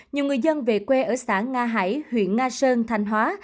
nhiều người dân về quê ở xã nga hải huyện nga sơn thanh hóa